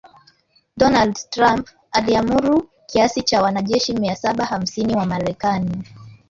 Donald Trump aliamuru kiasi cha wanajeshi mia saba hamsini wa Marekani